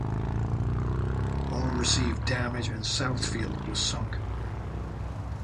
All received damage, and "Southfield" was sunk.